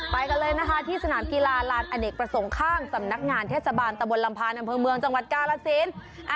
ไปกันเลยนะคะที่สนามกีฬาลานอเนกประสงค์ข้างสำนักงานเทศบาลตะบนลำพานอำเภอเมืองจังหวัดกาลสิน